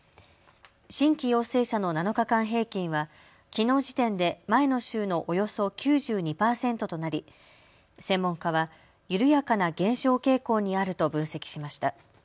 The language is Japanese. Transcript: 新規陽性者の７日間平均はきのう時点で前の週のおよそ９２％となり専門家は緩やかな減少傾向にあると分析しました。